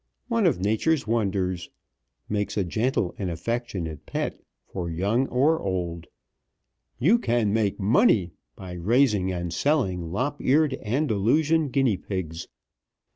One of nature's wonders! Makes a gentle and affectionate pet. For young or old. YOU CAN MAKE MONEY by raising and selling Lop eared Andalusian Guinea pigs.